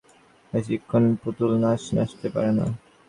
গোড়াতেই জানা উচিত ছিল মানুষ বেশিক্ষণ পুতুল-নাচ নাচতে পারে না।